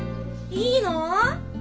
いいの？